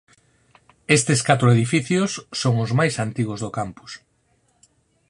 Estes catro edificios son os máis antigos do campus.